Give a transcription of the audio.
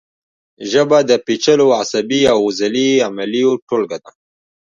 ژبه د پیچلو عصبي او عضلي عملیو ټولګه ده